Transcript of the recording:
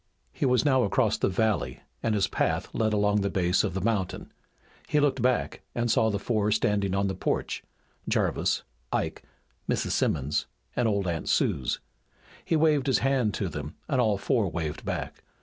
He was now across the valley and his path led along the base of the mountain. He looked back and saw the four standing on the porch, Jarvis, Ike, Mrs. Simmons, and old Aunt Suse. He waved his hand to them and all four waved back.